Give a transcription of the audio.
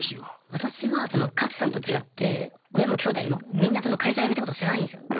私はカツさんと違って親もきょうだいもみんな会社辞めたこと知らないんですよ。